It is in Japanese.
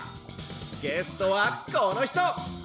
ゲストはこのひと！」。